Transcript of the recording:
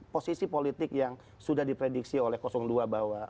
posisi politik yang sudah diprediksi oleh dua bahwa